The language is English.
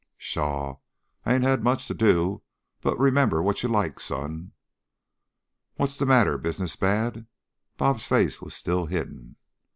"Pshaw! I 'ain't had much to do but remember what you like, son." "What's the matter? Business bad?" "Bob's" face was still hidden.